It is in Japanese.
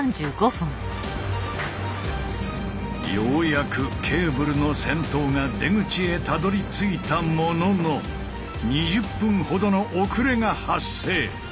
ようやくケーブルの先頭が出口へたどりついたものの２０分ほどの遅れが発生。